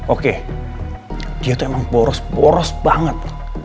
oke dia tuh emang boros boros banget